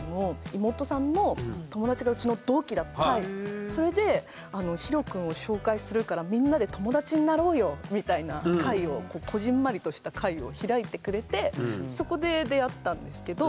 たまたまそのそれでひろ君を紹介するから「みんなで友達になろうよ」みたいな会をこぢんまりとした会を開いてくれてそこで出会ったんですけど。